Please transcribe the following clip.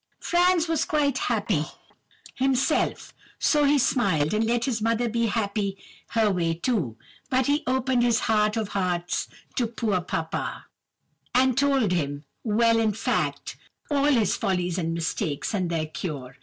"Franz was quite happy himself, so he smiled, and let his mother be happy her way too; but he opened his heart of hearts to poor old fashioned papa, and told him—well, in fact, all his follies and mistakes, and their cure.